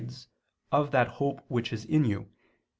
'Of that hope which is in you.'